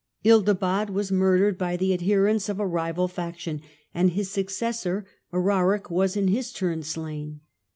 Ildibad was murdered by the adherents of a rival faction, and his Gothic successor, Eraric, was in his turn slain.